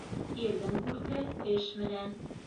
Ирҙең күрке эш менән.